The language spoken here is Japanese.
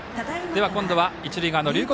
今度は一塁側の龍谷